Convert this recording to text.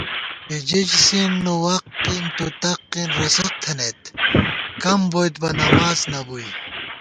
بججس، نوَق، تُتق، رسق تھنَئیت کم بُوئیتبہ نماڅ نہ بُوئی